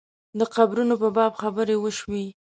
د قبرونو په باب خبرې وشوې.